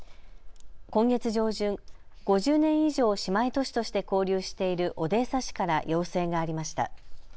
今月上旬、５０年以上姉妹都市として交流しているオデーサ市から要請がありました。